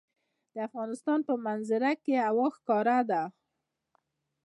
د افغانستان په منظره کې هوا ښکاره ده.